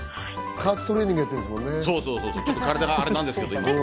加圧トレーニング、行ってるんですもんね。